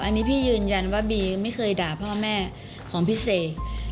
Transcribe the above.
อันนี้พี่ยืนยันว่าบีไม่เคยด่าพ่อแม่ของพี่เสก